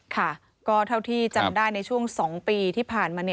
ค่ะก็เท่าที่จำได้ในช่วง๒ปีที่ผ่านมา